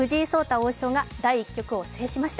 王将が第１局を制しました